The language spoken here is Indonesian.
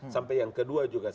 sampai yang kedua juga